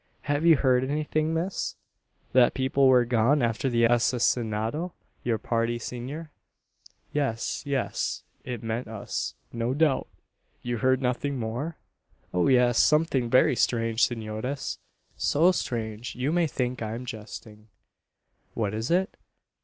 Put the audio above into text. Have you heard anything, miss?" "That people were gone after the asesinado. Your party, senor?" "Yes yes it meant us, no doubt. You heard nothing more?" "Oh, yes; something very strange, senores; so strange, you may think I am jesting." "What is it?"